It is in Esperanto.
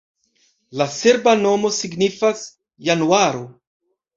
La serba nomo signifas januaro.